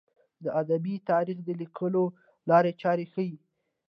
د ادبي تاریخ د لیکلو لارې چارې ښيي.